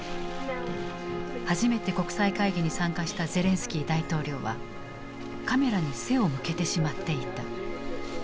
初めて国際会議に参加したゼレンスキー大統領はカメラに背を向けてしまっていた。